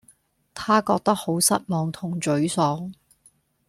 她覺得好失望同沮喪